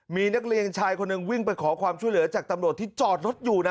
มีนักเรียนชายคนหนึ่งวิ่งไปขอความช่วยเหลือจากตำรวจที่จอดรถอยู่นะ